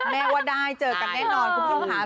แม่ว่าได้เจอกันแน่นอนคุณผู้ชมค่ะ